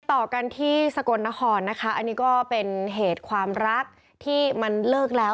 ต่อกันที่สกลนครนะคะอันนี้ก็เป็นเหตุความรักที่มันเลิกแล้ว